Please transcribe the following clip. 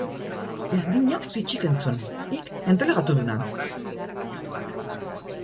Ez dinat fitsik entzun, hik entelegatu duna?